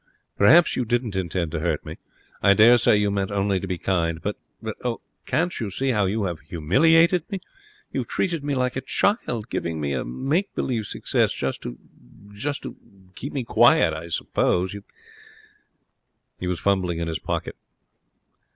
'Perhaps you didn't intend to hurt me. I dare say you meant only to be kind. But but oh, can't you see how you have humiliated me? You have treated me like a child, giving me a make believe success just to just to keep me quiet, I suppose. You ' He was fumbling in his pocket.